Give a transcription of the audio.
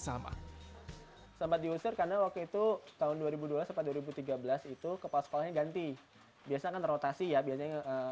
sama sampai diusir karena waktu itu tahun dua ribu dua belas dua ribu tiga belas itu kepala sekolah ganti biasakan rotasi ya biasa